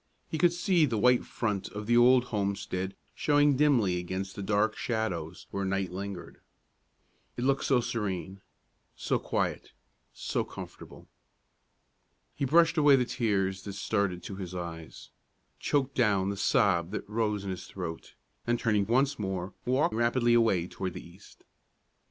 He could see the white front of the old homestead showing dimly against the dark shadows where night lingered. It looked so serene, so quiet, so comfortable! He brushed away the tears that started to his eyes, choked down the sob that rose in his throat, and turning once more, walked rapidly away toward the east.